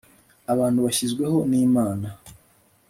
Abantu bashyizweho nImana